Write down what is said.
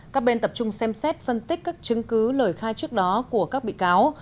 các bên tập trung xem xét phân tích các chứng cứ lời khai trước đó của các bị cáo